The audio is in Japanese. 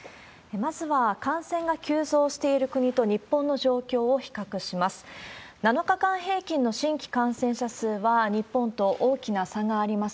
まずは感染が急増している国と日本の状況を比較します。